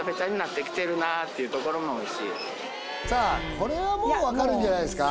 これはもう分かるんじゃないですか？